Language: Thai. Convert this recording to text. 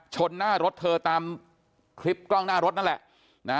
หน้ารถเธอตามคลิปกล้องหน้ารถนั่นแหละ